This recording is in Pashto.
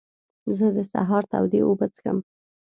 زه د سهار تودې اوبه څښم.